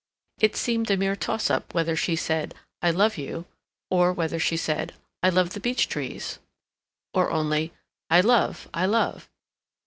It seemed a mere toss up whether she said, "I love you," or whether she said, "I love the beech trees," or only "I love—I love."